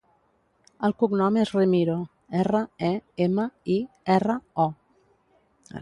El cognom és Remiro: erra, e, ema, i, erra, o.